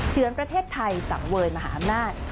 เชื้อนประเทศไทยสำเวินมหามาตร